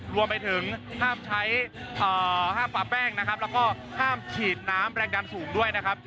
รวมไปถึงห้ามใช้ห้ามปลาแป้งนะครับแล้วก็ห้ามฉีดน้ำแรงดันสูงด้วยนะครับ